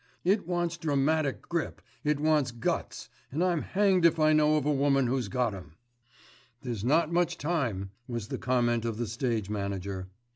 It wants dramatic grip, it wants guts, and I'm hanged if I know of a woman who's got 'em." "There's not much time," was the comment of the stage manager.